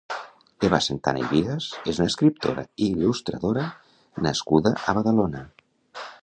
Eva Santana i Bigas és una escriptora i il·lustradora nascuda a Badalona.